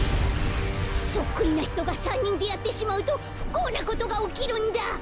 そっくりなひとが３にんであってしまうとふこうなことがおきるんだ。